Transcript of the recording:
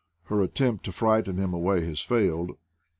Her attempt to frighten him away has failed.